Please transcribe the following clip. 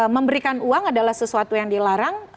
memberikan uang adalah sesuatu yang dilarang